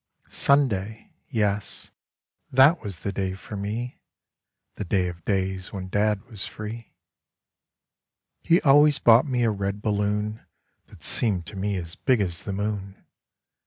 Sunday I yes, that was the day for me, The day of days, when Dad was free. He always bought me a red balloon That seemed to me as big as the moon.